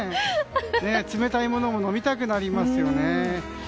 冷たいものも飲みたくなりますよね。